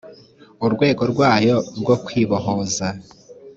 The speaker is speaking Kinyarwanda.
urwego rwayo rwo kwibohoza